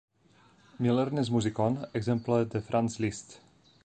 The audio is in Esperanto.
Li lernis muzikon ekzemple de Franz Liszt.